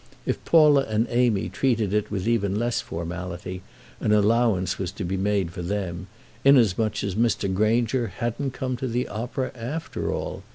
If Paula and Amy treated it even with less formality an allowance was to be made for them, inasmuch as Mr. Granger hadn't come to the opera after all.